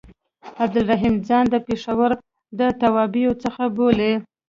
عبدالرحیم ځان د پېښور د توابعو څخه بولي.